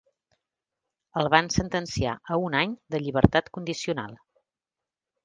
El van sentenciar a un any de llibertat condicional.